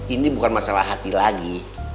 ini bukan masalah hati lagi